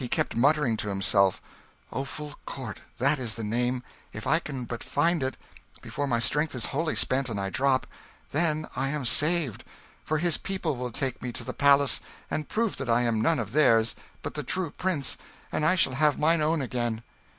He kept muttering to himself, "Offal Court that is the name; if I can but find it before my strength is wholly spent and I drop, then am I saved for his people will take me to the palace and prove that I am none of theirs, but the true prince, and I shall have mine own again."